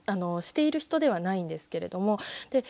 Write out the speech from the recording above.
している人ではないんですけれども。